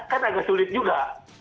kan agak sulit juga